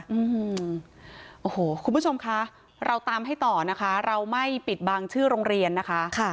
อืมโอ้โหคุณผู้ชมคะเราตามให้ต่อนะคะเราไม่ปิดบางชื่อโรงเรียนนะคะค่ะ